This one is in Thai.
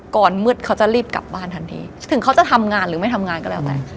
ก่อนมืดเขาจะรีบกลับบ้านทันทีถึงเขาจะทำงานหรือไม่ทำงานก็แล้วแต่